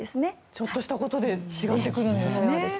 ちょっとしたことで違ってくるんですね。